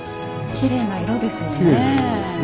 きれいな色ですね。